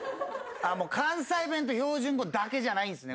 関西弁と標準語だけじゃないんすね。